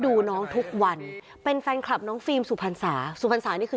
ดูน้องทุกวันเป็นแฟนคลับน้องฟิล์มสุพรรษาสุพรรษานี่คือ